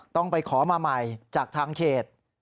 ต้องไปขอมาใหม่จากทางเขต